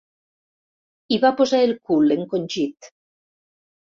Hi va posar el cul, encongit.